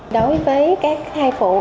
đối với các thai phục